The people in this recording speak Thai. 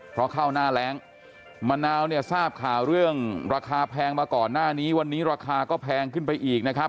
เพราะข้าวหน้าแรงมะนาวเนี่ยทราบข่าวเรื่องราคาแพงมาก่อนหน้านี้วันนี้ราคาก็แพงขึ้นไปอีกนะครับ